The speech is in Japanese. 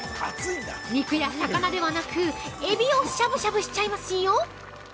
肉や魚ではなく、エビをしゃぶしゃぶしちゃいますよ。